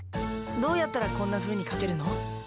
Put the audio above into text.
どうやったらこんなふうにかけるの？